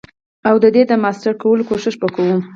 او ددی د ماستر کولو کوښښ به کوو.